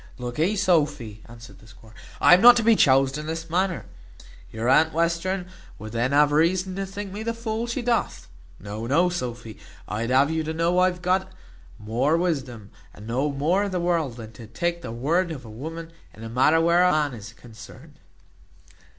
"Lookee, Sophy," answered the squire, "I am not to be choused in this manner. Your aunt Western would then have reason to think me the fool she doth. No, no, Sophy, I'd have you to know I have a got more wisdom, and know more of the world, than to take the word of a woman in a matter where a man is concerned."